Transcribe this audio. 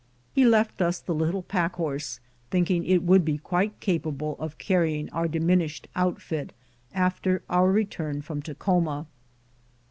He left us the little pack horse, thinking it would be quite capable of carrying our diminished outfit after our return from Takhoma.